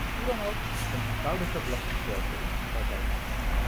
Hoe dan ook, een eenvoudiger belastingstelsel is altijd handig.